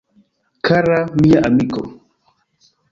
Kara mia amiko!